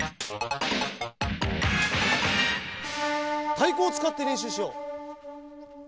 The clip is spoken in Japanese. たいこをつかってれんしゅうしよう。